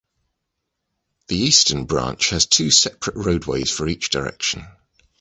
The eastern branch has two separate roadways for each direction.